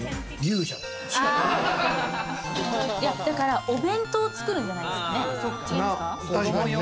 だから、お弁当を作るんじゃないですかね。